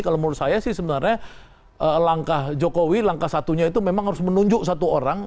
kalau menurut saya sih sebenarnya langkah jokowi langkah satunya itu memang harus menunjuk satu orang